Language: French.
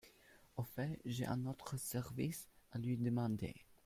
Au fait, j’ai un autre service à lui demander.